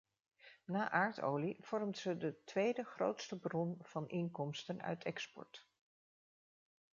Na aardolie vormt ze de tweede grootste bron van inkomsten uit export.